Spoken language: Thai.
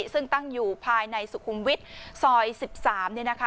ซึ่งตั้งอยู่ภายในสุขุมวิทย์ซอย๑๓เนี่ยนะคะ